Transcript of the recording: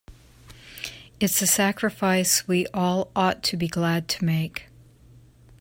It's a sacrifice we all ought to be glad to make.